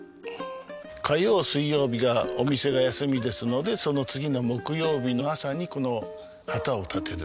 火曜水曜日がお店が休みですのでその次の木曜日の朝にこの旗を立てる。